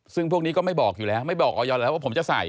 ซึ่งพวกนี้ก็ไม่บอกอยู่แล้วไม่บอกออยอนแล้วว่าผมจะใส่